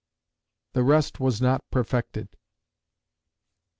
[The rest was not perfected.